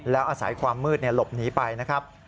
แล้วอาศัยความมืดหลบหนีไปนะครับ